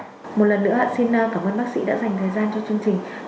một lần nữa xin cảm ơn bác sĩ đã dành thời gian cho chương trình